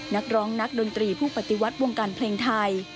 นักร้องนักดนตรีผู้ปฏิวัติวงการเพลงไทย